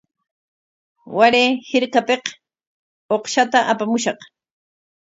Waray hirpapik uqshata apamushaq.